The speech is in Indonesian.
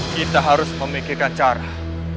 kita harus memikirkan cara